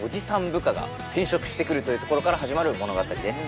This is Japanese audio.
部下が転職してくるというところから始まる物語です